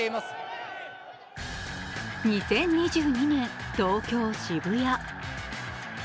２０２２年、東京・渋谷。